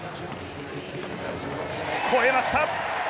越えました。